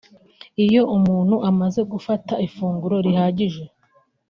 Iyo umuntu amaze gufata ifunguro rihagije